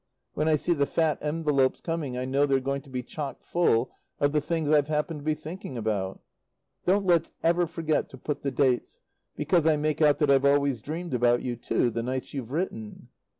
When I see the fat envelopes coming I know they're going to be chock full of the things I've happened to be thinking about. Don't let's ever forget to put the dates, because I make out that I've always dreamed about you, too, the nights you've written.